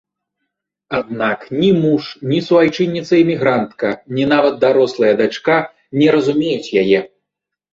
Аднак ні муж, ні суайчынніца-эмігрантка, ні нават дарослая дачка не разумеюць яе.